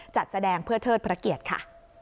จัดแสดงเพื่อเทิดพระเกียรติค่ะ